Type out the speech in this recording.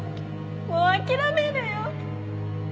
もう諦めるよ。